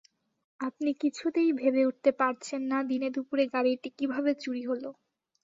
আপনি কিছুতেই ভেবে উঠতে পারছেন না দিনেদুপুরে গাড়িটি কীভাবে চুরি হলো।